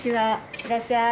いらっしゃい。